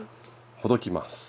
ほどきます！